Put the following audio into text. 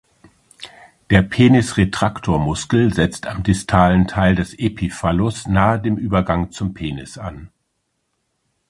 Der Penisretraktormuskel setzt am distalen Teil des Epiphallus nahe dem Übergang zum Penis an.